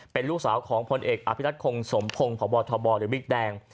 เป็นลูกสาวของพลเอกอภิรัตคงสมพงศ์พบทบหรือบิ๊กแดง